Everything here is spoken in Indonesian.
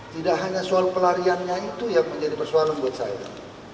tidak hanya soal pelariannya itu yang menjadi persoalan buat saya